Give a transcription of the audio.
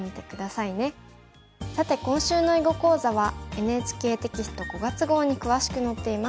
さて今週の囲碁講座はＮＨＫテキスト５月号に詳しく載っています。